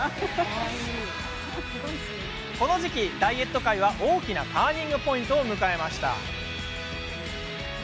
この時期、ダイエット界は大きなターニングポイントを迎えました。